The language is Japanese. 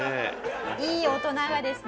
いい大人がですね